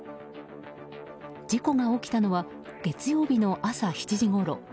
事故が起きたのは月曜日の朝７時ごろ。